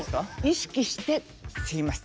意識して吸います。